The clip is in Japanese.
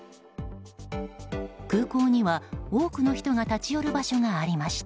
空港には多くの人が立ち寄る場所がありました。